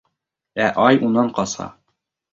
Ә ай унан ҡаса.